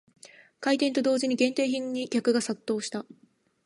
開店と同時に限定品に客が殺到した